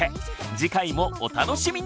次回もお楽しみに！